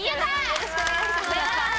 よろしくお願いします！